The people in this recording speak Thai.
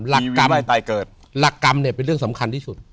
หลักกรรมหลักกรรมเนี่ยแม้มันเรื่องสำคัญที่สุด